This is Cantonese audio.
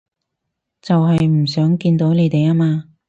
就係唔想見到你吖嘛